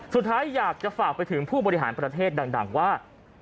สุดท้ายอยากจะฝากไปถึงผู้บริหารประเทศดังว่า